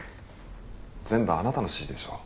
全部あなたの指示でしょう？